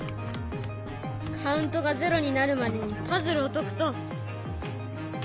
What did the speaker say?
カウントが０になるまでにパズルを解くと。